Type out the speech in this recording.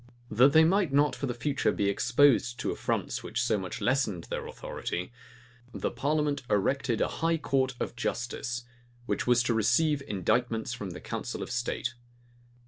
That they might not for the future be exposed to affronts which so much lessened their authority, the parliament erected a high court of justice, which was to receive indictments from the council of state.